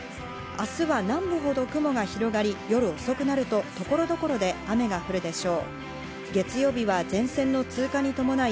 明日は南部ほど雲が広がり、夜遅くなると所々で雨が降るでしょう。